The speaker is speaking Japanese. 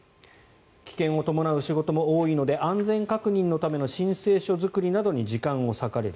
危険を伴う仕事も多いので安全確認のための申請書作りなどに時間を割かれる。